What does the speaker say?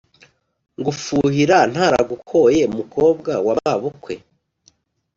Ngufuhira ntaragukoye mukobwa wa mabukwe